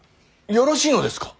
よろしいのですか。